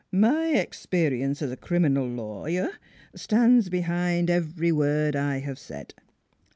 " My experience as a criminal lawyer stands behind every word I have said.